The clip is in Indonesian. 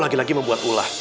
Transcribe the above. lagi lagi membuat ular